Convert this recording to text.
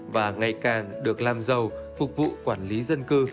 và ngày càng được làm giàu phục vụ quản lý dân cư